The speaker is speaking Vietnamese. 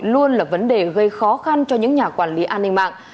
luôn là vấn đề gây khó khăn cho những nhà quản lý an ninh mạng